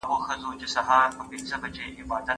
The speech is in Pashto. خپل مخ په پاکو اوبو او ښه صابون سره په پوره ډول پرېمنځئ.